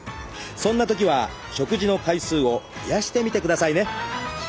そんなときは食事の回数を増やしてみてくださいね。